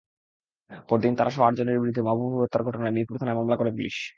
পরদিন তাঁরাসহ আটজনের বিরুদ্ধে মাহাবুবুর হত্যার ঘটনায় মিরপুর থানায় মামলা করে পুলিশ।